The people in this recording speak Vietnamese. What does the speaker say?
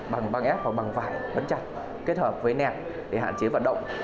bằng băng ép hoặc bằng vải bắn chặt kết hợp với nẹp để hạn chế vận động